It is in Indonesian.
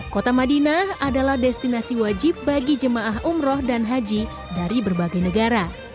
kota madinah adalah destinasi wajib bagi jemaah umroh dan haji dari berbagai negara